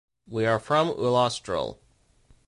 We are from Ullastrell.